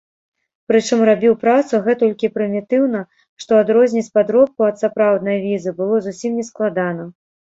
Прычым рабіў працу гэтулькі прымітыўна, што адрозніць падробку ад сапраўднай візы было зусім нескладана.